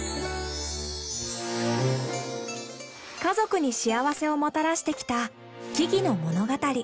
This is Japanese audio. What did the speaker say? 家族に幸せをもたらしてきた木々の物語。